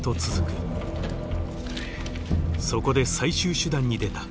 そこで最終手段に出た。